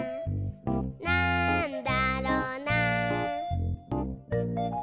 「なんだろな？」